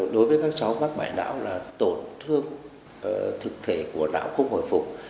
đối với các cháu mắc bại não là tổn thương thực thể của não không hồi phục